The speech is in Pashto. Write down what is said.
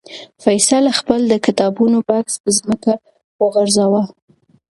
فیصل خپل د کتابونو بکس په ځمکه وغورځاوه.